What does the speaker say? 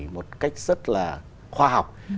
một cách rất là khoa học